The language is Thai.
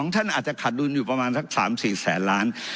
ท่านอาจจะขาดดุลอยู่ประมาณสัก๓๔แสนล้าน